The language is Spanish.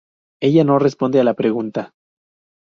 Ella no responde a la pregunta.